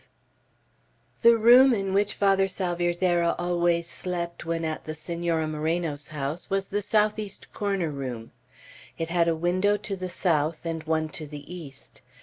V THE room in which Father Salvierderra always slept when at the Senora Moreno's house was the southeast corner room. It had a window to the south and one to the east.